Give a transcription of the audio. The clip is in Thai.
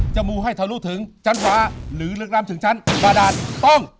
มูให้ทะลุถึงชั้นฟ้าหรือลึกล้ำถึงชั้นบาดานต้อง